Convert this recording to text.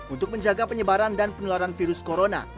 untuk menjaga penyebaran dan penularan virus corona